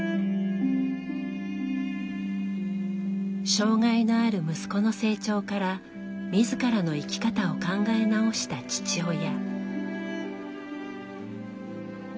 障害のある息子の成長から自らの生き方を考え直した父親。